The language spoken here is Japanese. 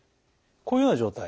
こういうような状態。